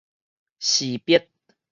辭別